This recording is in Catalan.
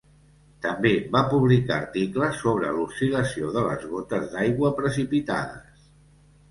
També va publicar articles sobre l'oscil·lació de les gotes d'aigua precipitades.